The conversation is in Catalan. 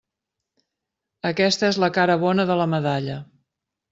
Aquesta és la cara bona de la medalla.